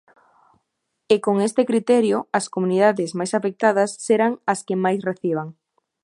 E con este criterio, as comunidades máis afectadas serán as que máis reciban.